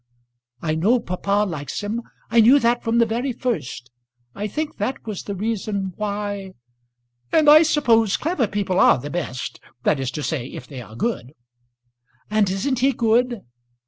"I know papa likes him. I knew that from the very first. I think that was the reason why " "And I suppose clever people are the best, that is to say, if they are good." "And isn't he good?"